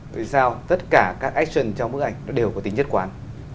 tại sao tất cả các action trong bức ảnh nó đều có tính nhất quán